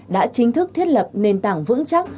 đã chính thức thiết lập nền tảng vững chắc